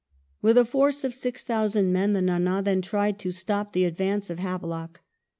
With a force of 6,000 men the Ndna then tried to stop the advance of Havelock.